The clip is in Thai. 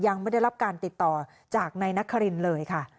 ยังไม่ได้รับการติดต่อจากนายนครินเลยค่ะ